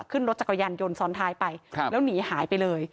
ขึ้นรถจักรยานยนต์ซ้อนท้ายไปแล้วหนีหายไปเลย